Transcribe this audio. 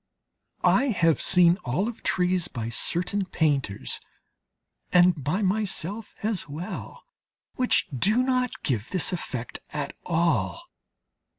I have seen olive trees by certain painters, and by myself as well, which do not give this effect at all.